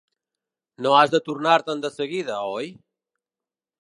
No has de tornar-te'n de seguida, oi?